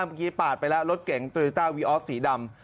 เมื่อกี้ปาดไปแล้วรถเก๋งโตริต้าวีออสสีดำ